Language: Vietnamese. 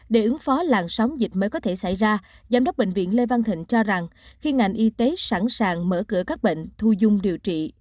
để ứng phó làn sóng dịch mới có thể xảy ra giám đốc bệnh viện lê văn thịnh cho rằng khi ngành y tế sẵn sàng mở cửa các bệnh thu dung điều trị